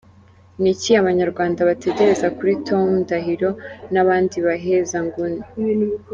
Ni iki abanyarwanda bategereza kuri Tom Ndahiro n’abandi bahezanguni ?